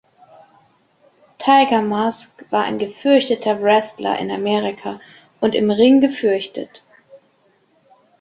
Tiger Mask war ein gefürchteter Wrestler in Amerika und im Ring gefürchtet.